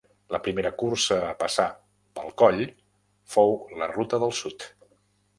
La primera cursa a passar pel coll fou la Ruta del Sud.